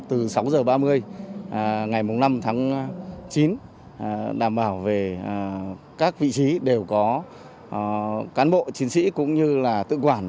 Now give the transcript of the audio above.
từ sáu h ba mươi ngày năm tháng chín đảm bảo về các vị trí đều có cán bộ chiến sĩ cũng như là tự quản